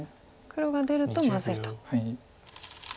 黒が出るとまずいと。